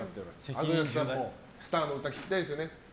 アグネスさんもスターの歌聴きたいですよね。